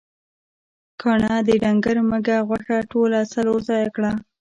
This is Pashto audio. کاڼهٔ د ډنګر مږهٔ غوښه ټوله څلور ځایه کړه.